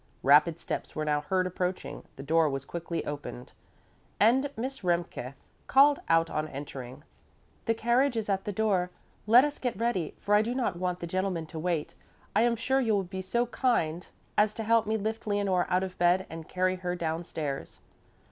Rapid steps were now heard approaching, the door was quickly opened, and Miss Remke called out on entering: "The carriage is at the door. Let us get ready, for I do not want the gentleman to wait. I am sure you will be so kind as to help me lift Leonore out of bed and to carry her down stairs."